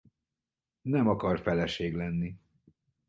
Nem akar feleség lenni.